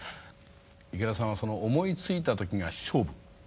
池田さんはその思いついた時が勝負。